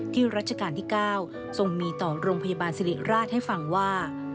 รัชกาลที่๙ทรงมีต่อโรงพยาบาลสิริราชให้ฟังว่า